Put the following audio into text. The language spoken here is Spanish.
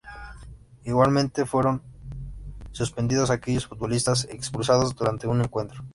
Igualmente, fueron suspendidos aquellos futbolistas expulsados durante un encuentro.